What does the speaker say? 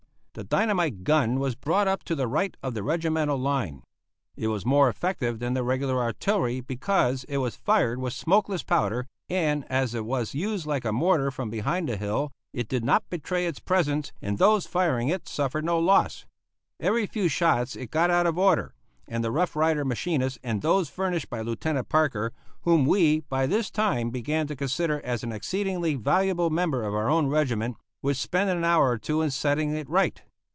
The dynamite gun was brought up to the right of the regimental line. It was more effective than the regular artillery because it was fired with smokeless powder, and as it was used like a mortar from behind the hill, it did not betray its presence, and those firing it suffered no loss. Every few shots it got out of order, and the Rough Rider machinists and those furnished by Lieutenant Parker whom we by this time began to consider as an exceedingly valuable member of our own regiment would spend an hour or two in setting it right.